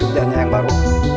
setelah storytelling yang baru